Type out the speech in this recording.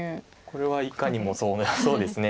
これはいかにもそうですね。